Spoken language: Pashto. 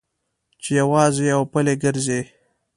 چې یوازې او پلي ګرځې.